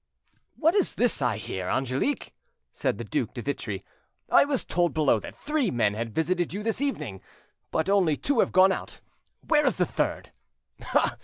"What is this I hear, Angelique?" said the Duc de Vitry. "I was told below that three men had visited you this evening; but only two have gone out—where is the third?